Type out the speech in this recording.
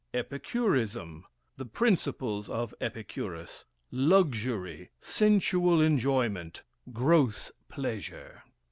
Epicurism The principles of Epicurus Luxury, sensual enjoyment, gross pleasure.